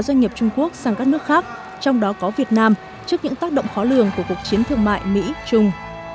doanh nghiệp trung quốc sang các nước khác trong đó có việt nam trước những tác động khó lường của cuộc chiến thương mại mỹ trung